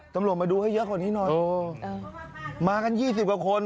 ตำรวจมาดูให้เยอะกว่านี้หน่อยมากัน๒๐กว่าคน